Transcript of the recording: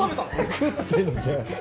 食ってんじゃん。